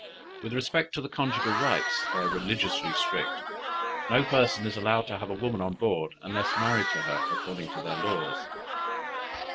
With respect to the conjugal rights they are religiously strict; no person is allowed to have a woman on board, unless married to her according to their laws.